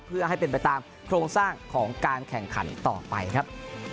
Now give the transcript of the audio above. เพื่อให้เป็นไปตามโครงสร้างของการแข่งขันต่อไปครับ